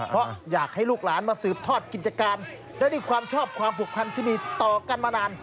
เพราะอยากให้ลูกหลานมาสืบทอดกิจการและด้วยความชอบความผูกพันที่มีต่อกันมานาน